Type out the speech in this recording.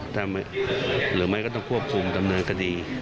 ถ้าไม่หรือไม่ก็ต้องควบคุมจำเนื้อกดี